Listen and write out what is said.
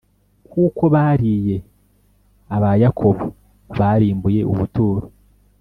kuko bariye abayakobo barimbuye ubuturo